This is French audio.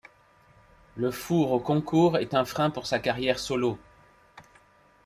Le four au concours est un frein pour sa carrière solo.